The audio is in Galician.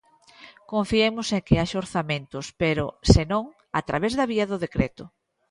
Confiemos en que haxa orzamentos, pero, se non, a través da vía do decreto.